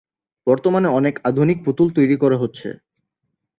বর্তমানে অনেক আধুনিক পুতুল তৈরী করা হচ্ছে।